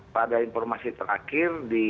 pada informasi terakhir di